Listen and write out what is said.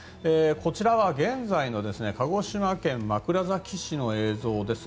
こちらは現在の鹿児島県枕崎市の映像です。